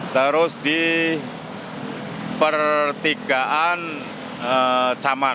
terus di pertigaan caman